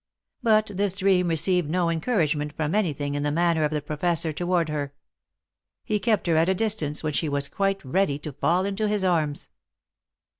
But this dream received no encouragement from anything in the manner of the Professor toward her. He kept her at a distance when she was quite ready to fall into his arms.